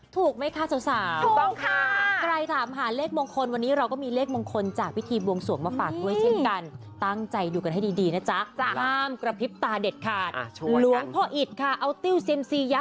ถูกไหมศาสตร์ค่ะ